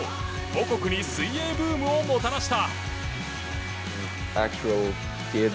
母国に水泳ブームをもたらした。